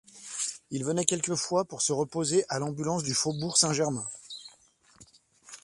Il venait quelquefois pour se reposer à l'ambulance du faubourg Saint-Germain.